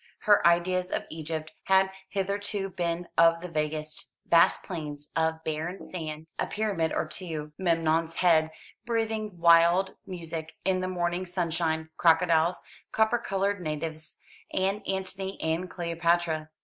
Her ideas of Egypt had hitherto been of the vaguest. Vast plains of barren sand, a pyramid or two, Memnon's head breathing wild music in the morning sunshine, crocodiles, copper coloured natives, and Antony and Cleopatra.